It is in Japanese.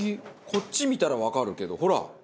こっち見たらわかるけどほら。